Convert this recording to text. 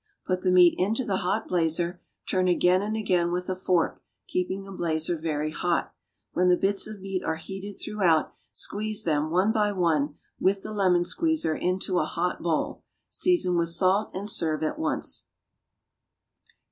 Put the meat into the hot blazer, turn again and again with a fork, keeping the blazer very hot. When the bits of meat are heated throughout, squeeze them, one by one, with the lemon squeezer, into a hot bowl. Season with salt and serve at once.